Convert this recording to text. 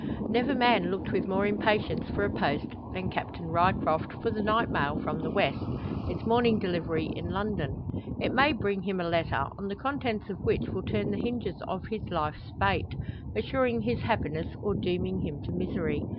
Never man looked with more impatience for a post, than Captain Ryecroft for the night mail from the West, its morning delivery in London. It may bring him a letter, on the contents of which will turn the hinges of his life's fate, assuring his happiness or dooming him to misery.